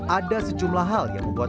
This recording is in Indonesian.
ada sejumlah hal yang membuat